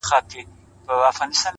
کنې دوى دواړي ويدېږي ورځ تېرېږي،